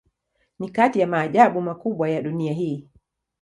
Ni kati ya maajabu makubwa ya dunia hii.